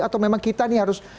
atau memang kita ini harus